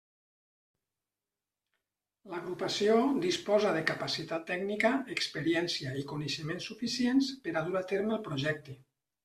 L'agrupació disposa de capacitat tècnica, experiència i coneixements suficients per dur a terme el projecte.